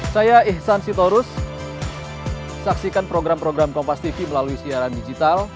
saya ihsan sitorus saksikan program program kompas tv melalui siaran digital